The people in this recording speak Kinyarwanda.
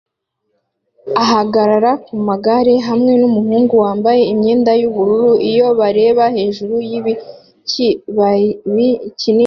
ahagarara kumagare hamwe numuhungu wambaye imyenda yubururu iyo bareba hejuru yikibabi kinini